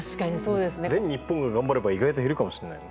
全員が頑張れば意外と減るかもしれない。